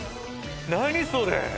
何それ⁉